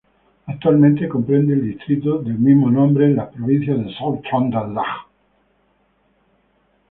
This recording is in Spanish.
Actualmente comprende el distrito del mismo nombre en la provincia de Sør-Trøndelag.